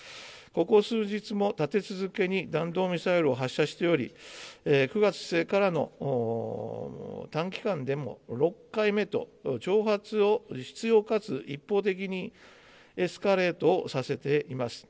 ここ数日も立て続けに弾道ミサイルを発射しており、９月末からの短期間でも６回目と、挑発を執ようかつ一方的にエスカレートをさせています。